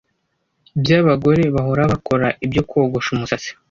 byabagore bahora bakora ibyo Kogosha umusatsi